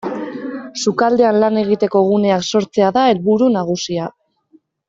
Sukaldean lan egiteko guneak sortzea da helburu nagusia.